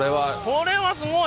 これはすごい。